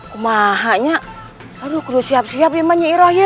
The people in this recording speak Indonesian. kumahanya aduh kursi ap siap yang banyak roh ya